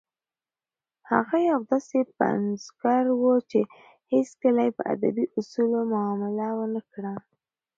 هغه یو داسې پنځګر و چې هیڅکله یې په ادبي اصولو معامله ونه کړه.